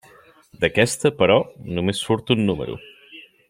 D'aquesta, però, només surt un número.